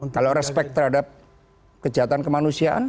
kalau respect terhadap kejahatan kemanusiaan